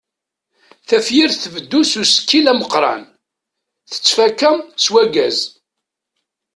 Tafyirt tbeddu s usekkil ameqqran, tettfakka s wagaz.